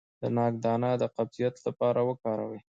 د ناک دانه د قبضیت لپاره وکاروئ